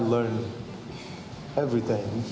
semua orang belajar